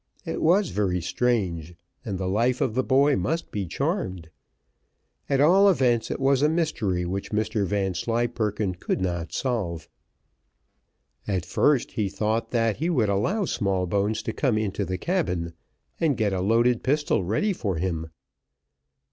It was very strange, and the life of the boy must be charmed. At all events, it was a mystery which Mr Vanslyperken could not solve; at first, he thought that he would allow Smallbones to come into the cabin, and get a loaded pistol ready for him.